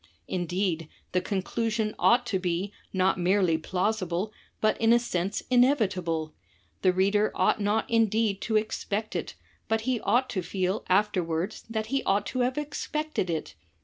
"Indeed the conclusion ought to be not merely plausible, , but in a sense inevitable. The reader ought not indeed to expect ity but he ought to feel afterwards that he ought to have expected it.